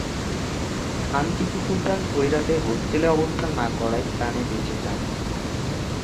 খান টিপু সুলতান ঐ রাতে হোস্টেলে অবস্থান না করায় প্রাণে বেঁচে যান।